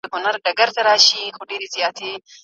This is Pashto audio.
حضرت ابو عبيده رض خلګو ته جزييه بيرته ورکړه.